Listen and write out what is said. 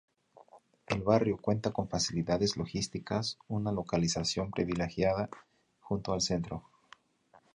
El barrio cuenta con facilidades logísticas una localización privilegiada junto al Centro.